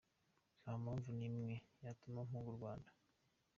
Nta mpamvu n’imwe yatuma mpunga u Rwanda”.